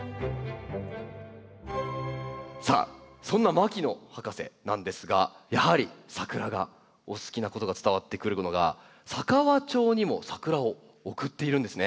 さあそんな牧野博士なんですがやはりサクラがお好きなことが伝わってくるものが佐川町にもサクラを贈っているんですね。